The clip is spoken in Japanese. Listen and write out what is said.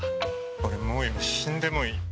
俺もう今死んでもいい。